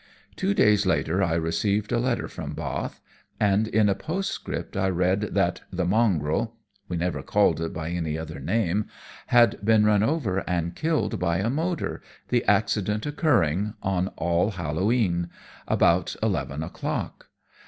Two days later I received a letter from Bath, and in a postscript I read that 'the mongrel' (we never called it by any other name) 'had been run over and killed by a motor, the accident occurring on All Hallow E'en, about eleven o'clock.'